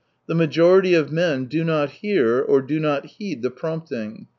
The majority of men 201 do not hear or do not lieed the prompting.